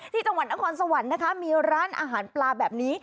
ที่จังหวัดนครสวรรค์นะคะมีร้านอาหารปลาแบบนี้